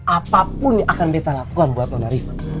apapun yang akan bete lakukan buat nona riva